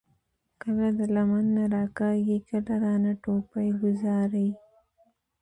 کله د لمن نه راکاږي، کله رانه ټوپۍ ګوذاري ـ